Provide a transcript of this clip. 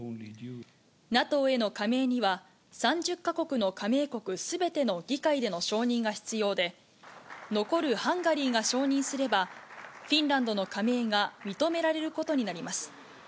ＮＡＴＯへの加盟には、３０か国の加盟国すべての議会での承認が必要で、残るハンガリーが承認すれば、フィンランドの加盟が認められることになります。